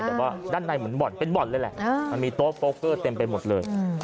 แต่ว่าด้านในเหมือนบ่อนเป็นบ่อนเลยแหละมันมีโต๊ะโกเกอร์เต็มไปหมดเลย